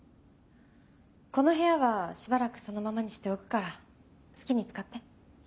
この部屋はしばらくそのままにしておくから好きに使って。